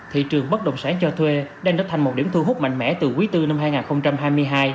thị trường bất động sản cho thuê đang trở thành một điểm thu hút mạnh mẽ từ quý iv năm hai nghìn hai mươi hai